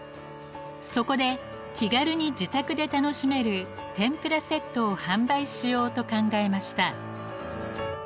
そこで気軽に自宅で楽しめる天ぷらセットを販売しようと考えました。